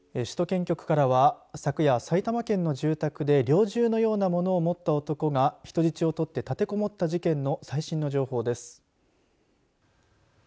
首都圏局からは昨夜、埼玉県の住宅で猟銃のようなものを持った男が人質をとって立てこもった事件の最新の情報です。